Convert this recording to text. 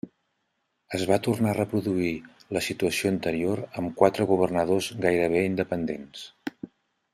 Es va tornar a reproduir la situació anterior amb quatre governadors gairebé independents.